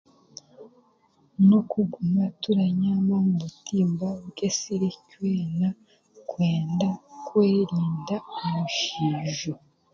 N'okuguma turanyaama omu butimba bw'esiri twena kwenda kwerinda omushiijo.